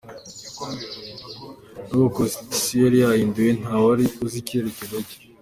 N’ubwo constitution yari yarahinduwe, ntawari uzi icyemezo cye.